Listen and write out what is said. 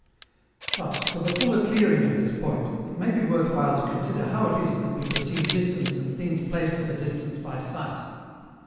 But, for the fuller clearing of this point, it may be worth while to consider how it is that we perceive distance and things placed at a distance by sight.